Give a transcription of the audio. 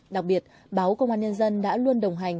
đặc biệt báo công an nhân dân đã luôn đồng hành